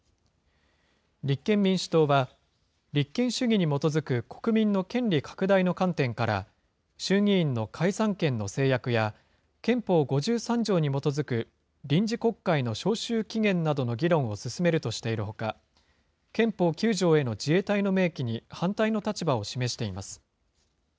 立憲民主党は、立憲主義に基づく国民の権利拡大の観点から、衆議院の解散権の制約や、憲法５３条に基づく臨時国会の召集期限などの議論を進めるとしているほか、憲法９条への自衛隊の明記に反対の立場を示しています。